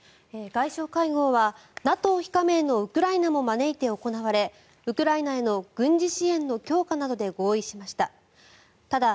外相会合はＮＡＴＯ非加盟のウクライナも招いて行われウクライナへの軍事支援の強化などで合意しました。